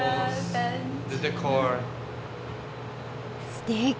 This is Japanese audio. すてき。